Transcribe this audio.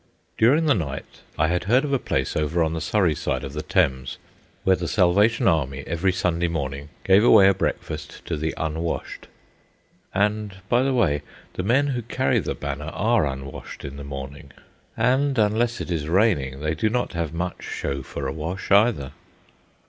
During the night I had heard of a place over on the Surrey side of the Thames, where the Salvation Army every Sunday morning gave away a breakfast to the unwashed. (And, by the way, the men who carry the banner are unwashed in the morning, and unless it is raining they do not have much show for a wash, either.)